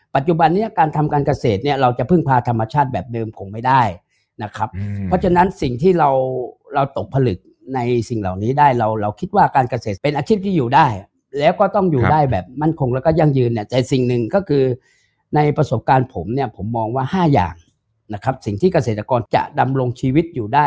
ปัจจุบันนี้การทำการเกษตรเนี่ยเราจะพึ่งพาธรรมชาติแบบเดิมคงไม่ได้นะครับเพราะฉะนั้นสิ่งที่เราเราตกผลึกในสิ่งเหล่านี้ได้เราเราคิดว่าการเกษตรเป็นอาชีพที่อยู่ได้แล้วก็ต้องอยู่ได้แบบมั่นคงแล้วก็ยั่งยืนเนี่ยแต่สิ่งหนึ่งก็คือในประสบการณ์ผมเนี่ยผมมองว่าห้าอย่างนะครับสิ่งที่เกษตรกรจะดำรงชีวิตอยู่ได้